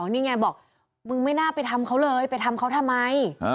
นี่ไงบอกมึงไม่น่าไปทำเขาเลยไปทำเขาทำไม